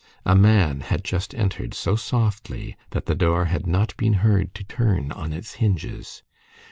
A man had just entered, so softly that the door had not been heard to turn on its hinges.